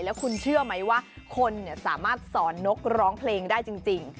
แล้วคุณเชื่อไหมว่าคนสามารถสอนนกร้องเพลงได้จริง